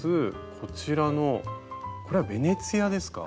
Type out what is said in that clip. こちらのこれはベネチアですか？